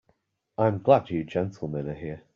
I'm glad you gentlemen are here.